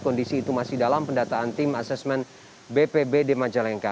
kondisi itu masih dalam pendataan tim asesmen bpbd majalengka